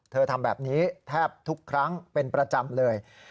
ทำแบบนี้แทบทุกครั้งเป็นประจำเลย